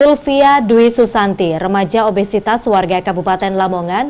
sylvia dwi susanti remaja obesitas warga kabupaten lamongan